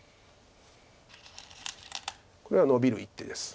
これはノビる一手です。